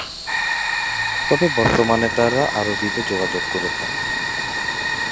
তবে বর্তমানে তারা আরবিতে যোগাযোগ করে থাকে।